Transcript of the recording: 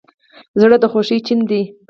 زړه د خوښیو چین دی.